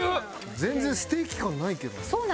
全然ステーキ感ないけどな。